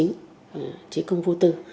chính trí công vô tư